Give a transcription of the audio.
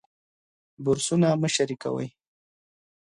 برسونه مه شریکوئ.